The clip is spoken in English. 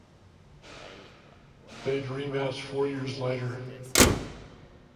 They'd rematch four years later.